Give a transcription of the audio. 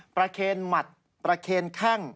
ประเครนหมัดประเครนแข้ง